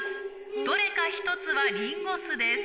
どれか１つはりんご酢です。